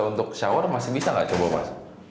untuk shower masih bisa nggak coba mas